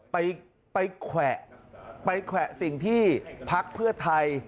ไปไปแขวะไปแขวะสิ่งที่พักเพื่อไทย